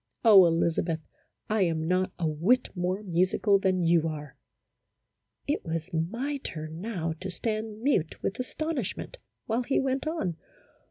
Oh, Elizabeth, I am not a whit more musical than you are !" It was my turn now to stand mute with astonish ment while he went on.